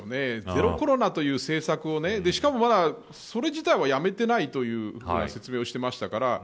ゼロコロナという政策をしかも、それ自体はやめていないという説明をしていましたから。